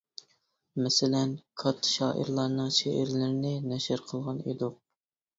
مەسىلەن: كاتتا شائىرلارنىڭ شېئىرلىرىنى نەشر قىلغان ئىدۇق.